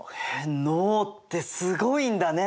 脳ってすごいんだね。